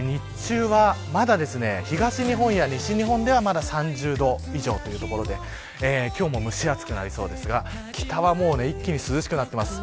日中は、まだ東日本や西日本は３０度以上というところで今日も蒸し暑くなりそうですが北は一気に涼しくなっています。